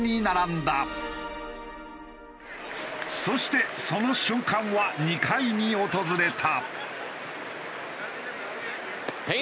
そしてその瞬間は２回に訪れた。